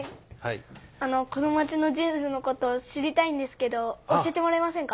このまちのジーンズのことを知りたいんですけど教えてもらえませんか？